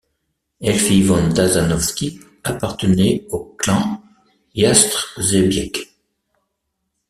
Elfi von Dassanowsky appartenait au clan Jastrzebiec.